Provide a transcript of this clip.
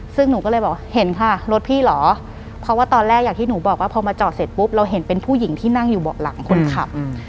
ซึ่งหนูก็เลยบอกเห็นค่ะรถพี่เหรอเพราะว่าตอนแรกอย่างที่หนูบอกว่าพอมาจอดเสร็จปุ๊บเราเห็นเป็นผู้หญิงที่นั่งอยู่เบาะหลังคนขับ